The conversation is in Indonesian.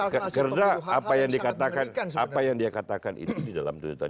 karena apa yang dikatakan itu di dalam tuntutannya pada esok